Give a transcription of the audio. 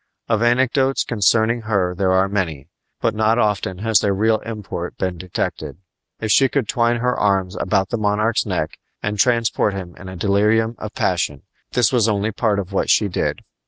Of anecdotes concerning her there are many, but not often has their real import been detected. If she could twine her arms about the monarch's neck and transport him in a delirium of passion, this was only part of what she did.